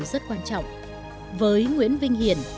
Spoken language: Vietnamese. nhưng nguyễn vinh hiển